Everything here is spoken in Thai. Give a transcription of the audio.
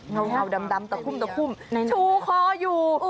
เงาดำตะคุ่มชูคออยู่